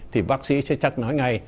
thì bác sĩ sẽ chắc nói ngay